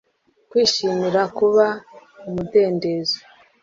Kwishimira kuba umudendezo